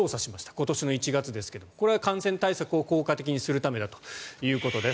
今年の１月ですがこれは感染対策を効果的にするためだということです。